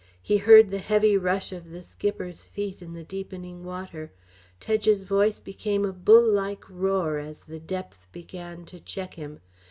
He heard the heavy rush of the skipper's feet in the deepening water. Tedge's voice became a bull like roar as the depth began to check him.